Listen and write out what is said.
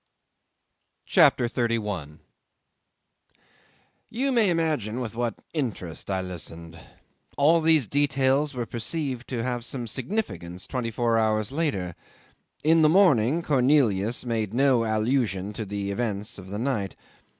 CHAPTER 31 'You may imagine with what interest I listened. All these details were perceived to have some significance twenty four hours later. In the morning Cornelius made no allusion to the events of the night.